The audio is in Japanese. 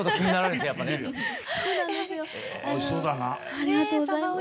ありがとうございます。